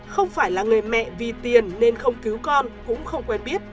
không phải là người mẹ vì tiền nên không cứu con cũng không quen biết